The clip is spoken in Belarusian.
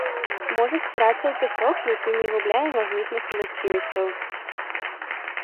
Можа сцірацца ў пясок, які не губляе магнітных уласцівасцяў.